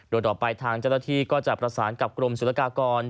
โดยต่อไปทางเจ้าหน้าที่ก็จะประสานกับกรมศุลกากร